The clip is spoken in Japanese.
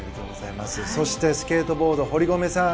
そしてスケートボード堀米さん。